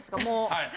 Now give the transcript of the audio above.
もう。